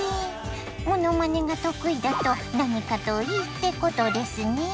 モノマネが得意だと何かといいってことですね！